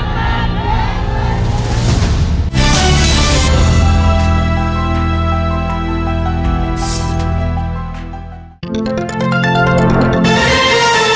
โปรดติดตามตอนต่อไป